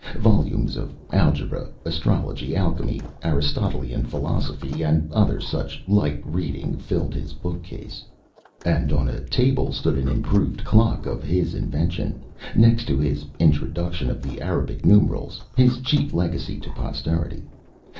Volumes of algebra, astrology, alchemy, Aristotelian philosophy, and other such light reading filled his bookcase; and on a table stood an improved clock of his invention, next to his introduction of the Arabic numerals his chief legacy to posterity.